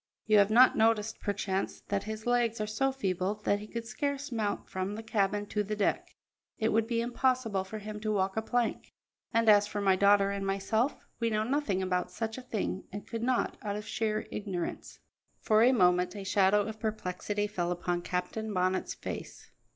You have not noticed, perchance, that his legs are so feeble that he could scarce mount from the cabin to the deck. It would be impossible for him to walk a plank; and as for my daughter and myself, we know nothing about such a thing, and could not, out of sheer ignorance." For a moment a shadow of perplexity fell upon Captain Bonnet's face.